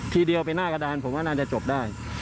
ทีเดียวไปหน้ากระดานผมว่าน่าจะจบได้